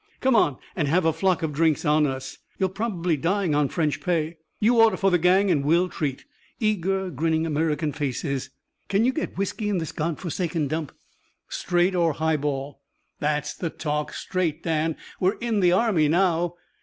"Come on an' have a flock of drinks on us. You're probably dying on French pay. You order for the gang and we'll treat." Eager, grinning American faces. "Can you get whisky in this God forsaken dump?" "Straight or highball?" "That's the talk. Straight, Dan. We're in the army now."